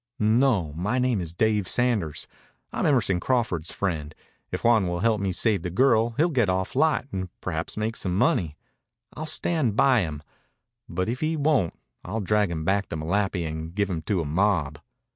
"No. My name is Dave Sanders. I'm Emerson Crawford's friend. If Juan will help me save the girl he'll get off light and perhaps make some money. I'll stand by him. But if he won't, I'll drag him back to Malapi and give him to a mob."